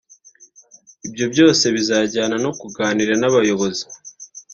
Ibyo byose bizajyana no kuganira n’abayobozi